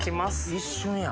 一瞬や。